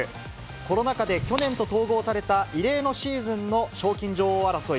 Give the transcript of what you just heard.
コロナ禍で去年と統合された異例のシーズンの賞金女王争い。